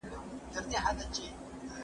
کمپيوټر نتيجه چاپوي.